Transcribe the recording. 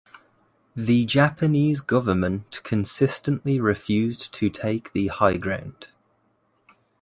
The Japanese government consistently refused to take the high ground.